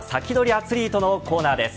アツリートのコーナーです。